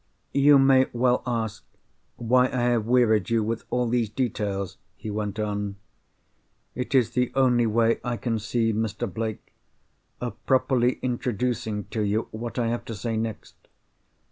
"You may well ask, why I have wearied you with all these details?" he went on. "It is the only way I can see, Mr. Blake, of properly introducing to you what I have to say next.